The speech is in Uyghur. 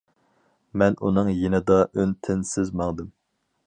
مەن ئۇنىڭ يېنىدا ئۈن- تىنسىز ماڭدىم.